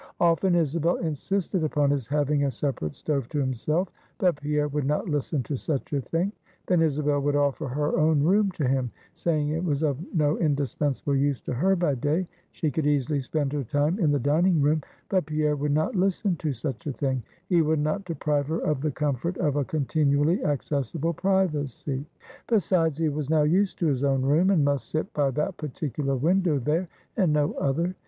Often, Isabel insisted upon his having a separate stove to himself; but Pierre would not listen to such a thing. Then Isabel would offer her own room to him; saying it was of no indispensable use to her by day; she could easily spend her time in the dining room; but Pierre would not listen to such a thing; he would not deprive her of the comfort of a continually accessible privacy; besides, he was now used to his own room, and must sit by that particular window there, and no other.